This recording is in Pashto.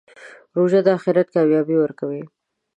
روژه د آخرت کامیابي ورکوي.